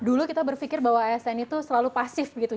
dulu kita berpikir bahwa asn itu selalu pasif gitu